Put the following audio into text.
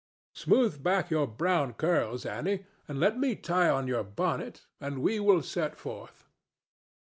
Smooth back your brown curls, Annie, and let me tie on your bonnet, and we will set forth.